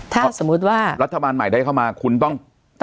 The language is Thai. ถ้าสมมุติว่ารัฐบาลใหม่ได้เข้ามาคุณต้อง